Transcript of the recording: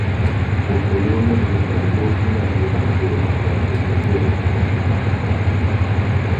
Posteriormente se estableció una similar, pero más grande, en Devon, Pennsylvania.